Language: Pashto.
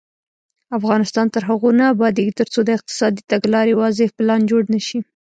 افغانستان تر هغو نه ابادیږي، ترڅو د اقتصادي تګلارې واضح پلان جوړ نشي.